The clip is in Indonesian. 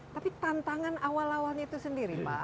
tapi tantangan awal awalnya itu sendiri pak